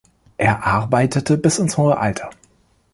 Er arbeitete bis ins hohe Alter.